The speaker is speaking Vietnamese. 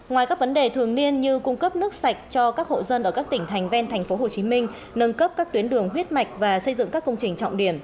ngoài các vấn đề thường niên như cung cấp nước sạch cho các hộ dân ở các tỉnh thành ven tp hcm nâng cấp các tuyến đường huyết mạch và xây dựng các công trình trọng điểm